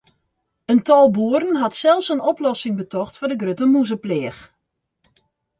In tal boeren hat sels in oplossing betocht foar de grutte mûzepleach.